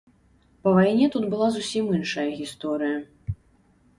Па вайне тут была зусім іншая гісторыя.